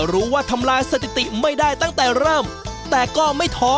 รู้หรือเนี่ย